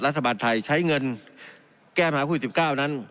รัฐบาลไทยใช้เงินแก้ปัญหาโควิด๑๙นั้น